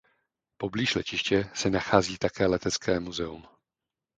Poblíž letiště se nachází také letecké muzeum.